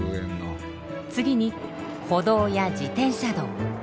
次に歩道や自転車道。